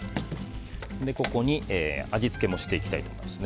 ここに味付けもしていきたいと思います。